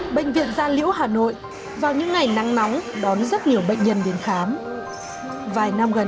ở bệnh viện gia liễu hà nội vào những ngày nắng nóng đón rất nhiều bệnh nhân đến khám vài năm gần